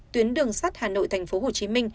tuyến đường sắt hà nội tphcm